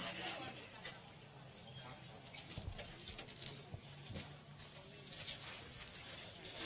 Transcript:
ไม่เป็นไรไม่เป็นไร